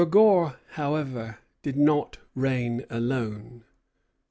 Vergor, however, did not reign alone.